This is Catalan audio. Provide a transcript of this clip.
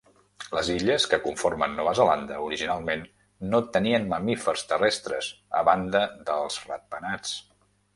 Les illes que conformen Nova Zelanda originalment no tenien mamífers terrestres a banda dels ratpenats.